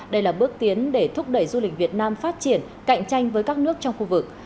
đây là bước tiến để thúc đẩy du lịch việt nam phát triển cạnh tranh với các nước trong khu vực